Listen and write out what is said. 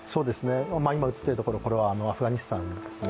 今映っているところはアフガニスタンですね。